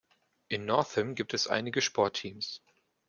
In Northam gibt es einige Sportteams.